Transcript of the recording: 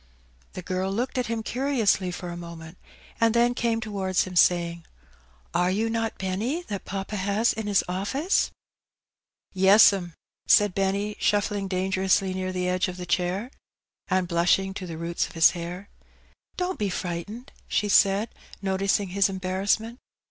The girl looked at him curiously for a moment, and then came towards him, saying — "Are you not Benny, that papa has in his office?" 150 Heb Bbnnt. "Yes, 'm," said BeDuy, shu£9mg dai^eronsly near the edge of the chair, and blnshing to the roots of his hair. "Don't be frightened," she said, noticing his embarrass' ment.